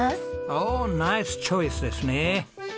おおナイスチョイスですね！